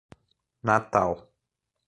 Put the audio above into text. Natal